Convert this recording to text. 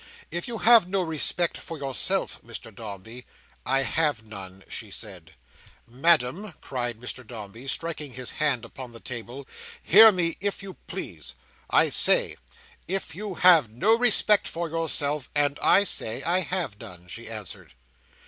If you have no respect for yourself, Mrs Dombey—" "I have none," she said. "Madam," cried Mr Dombey, striking his hand upon the table, "hear me if you please. I say, if you have no respect for yourself—" "And I say I have none," she answered.